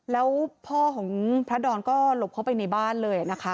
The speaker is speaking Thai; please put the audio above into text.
แล้วพ่อของพระดอนก็หลบเข้าไปในบ้านเลยนะคะ